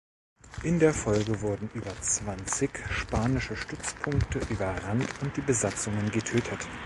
In der Folge wurden über zwanzig spanische Stützpunkte überrannt und die Besatzungen getötet.